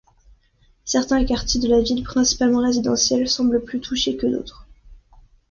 Certains quartiers de la ville, principalement résidentiels, semblent plus touchés que d'autres.